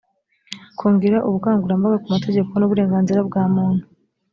kongera ubukangurambaga ku mategeko n uburenganzira bwa muntu